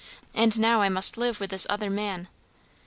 And now I must live with this other man!"